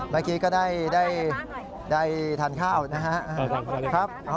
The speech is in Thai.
เมื่อกี้ก็ได้ทานข้าวนะครับ